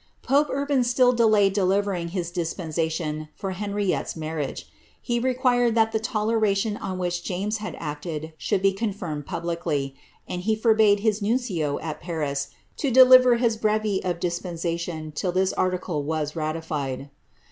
Pope Urban still delayed delivering his dispensation for Henriette'S marriage. He required that the toleration on which James had acted should be confirmed publicly ; and he forbade his nuncio at Paris to deliver his hreve of dispensation till this article was rati6ed.